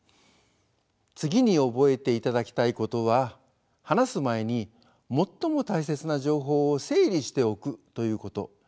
次に覚えていただきたいことは話す前に最も大切な情報を整理しておくということ。